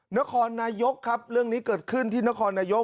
นครนายกครับเรื่องนี้เกิดขึ้นที่นครนายก